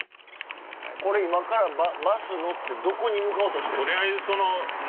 これ今からバス乗ってどこに向かおうとしてるの？